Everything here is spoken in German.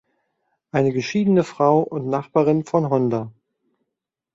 Eine geschiedene Frau und Nachbarin von Honda.